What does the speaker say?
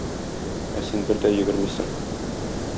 Ә син бер дә йөгермисең.